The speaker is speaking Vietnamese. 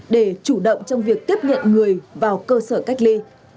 để chủ động trong việc tiếp nhận người vào cơ sở cách ly